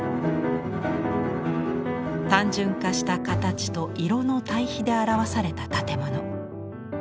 単純化した形と色の対比で表された建物。